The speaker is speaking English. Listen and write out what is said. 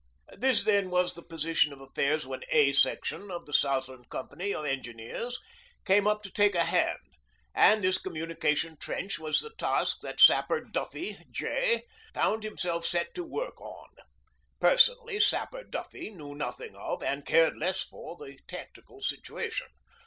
This, then, was the position of affairs when 'A' section of the Southland Company of Engineers came up to take a hand, and this communication trench was the task that Sapper Duffy, J., found himself set to work on. Personally Sapper Duffy knew nothing of, and cared less for, the tactical situation.